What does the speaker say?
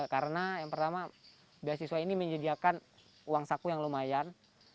karena yang pertama beasiswa ini menyediakan uang saku yang lumayan